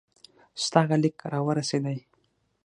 ستا هغه لیک را ورسېدی.